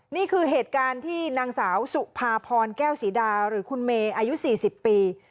นี่คือเหตุการณ์ที่นางสาวสุภาพรแก้วศรีดาหรือคุณเมย์อายุ๔๐ปี